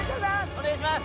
お願いします！